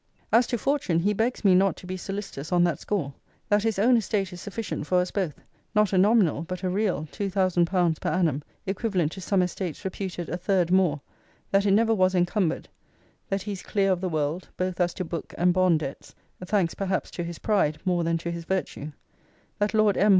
'As to fortune, he begs me not to be solicitous on that score: that his own estate is sufficient for us both; not a nominal, but a real, two thousand pounds per annum, equivalent to some estates reputed a third more: that it never was encumbered; that he is clear of the world, both as to book and bond debts; thanks, perhaps, to his pride, more than to his virtue: that Lord M.